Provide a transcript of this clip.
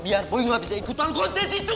biar boy gak bisa ikutan konten situ